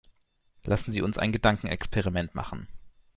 Lassen Sie uns ein Gedankenexperiment machen.